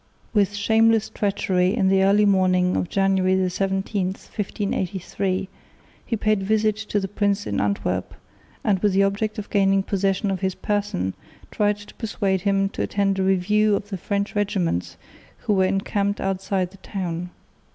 With shameless treachery in the early morning of January 17, 1583, he paid a visit to the prince in Antwerp, and, with the object of gaining possession of his person, tried to persuade him to attend a review of the French regiments who were encamped outside the town.